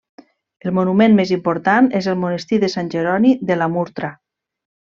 El monument més important és el Monestir de Sant Jeroni de la Murtra.